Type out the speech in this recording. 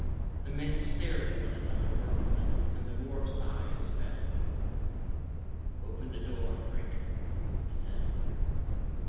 The men stared at one another for a moment and the dwarf's eyes fell. "Open the door, Frink," he said.